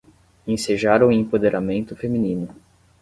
Ensejar o empoderamento feminino